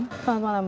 selamat malam mbak